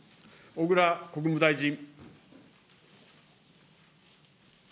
小倉国務大臣。